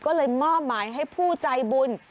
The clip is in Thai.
ก็เลยมอบหมายให้ผู้ใจบุญ